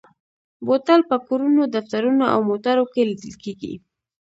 بوتل په کورونو، دفترونو او موټرو کې لیدل کېږي.